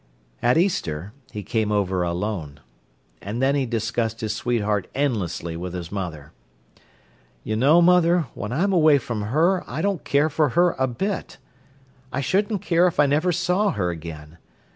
At Easter he came over alone. And then he discussed his sweetheart endlessly with his mother. "You know, mother, when I'm away from her I don't care for her a bit. I shouldn't care if I never saw her again.